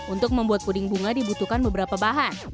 untuk membuat puding bunga dibutuhkan beberapa bahan